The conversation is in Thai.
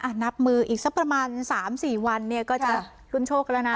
นับมืออีกสักประมาณ๓๔วันเนี่ยก็จะรุ่นโชคกันแล้วนะ